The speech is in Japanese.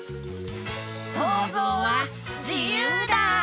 そうぞうはじゆうだ！